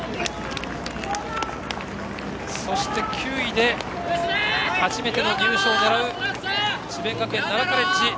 そして９位で初めての入賞を狙う智弁学園奈良カレッジ。